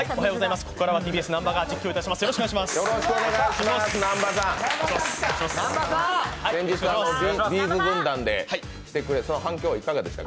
ここからはＴＢＳ・南波が実況いたします。